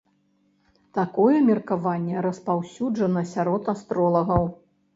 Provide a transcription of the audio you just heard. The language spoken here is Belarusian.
Такое меркаванне распаўсюджана сярод астролагаў.